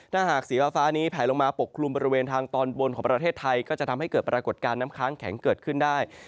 ถ้าหากสีฟ้านี้แผลลงมาปกคลุมบริเวณทางตอนบนของประเทศไทยก็จะทำให้เกิดปรากฏการณ์น้ำค้างแข็งเกิดขึ้นได้